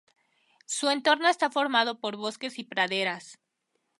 Su entorno está formado por bosques y praderas.